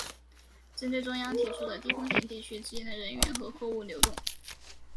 针对中央提出的低风险地区之间的人员和货物流动